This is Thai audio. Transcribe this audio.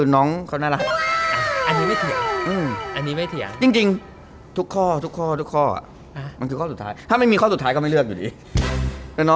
น้องไม่ไหลถ่ายรูป